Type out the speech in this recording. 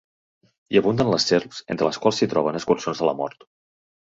Hi abunden les serps, entre les quals s'hi troben escurçons de la mort.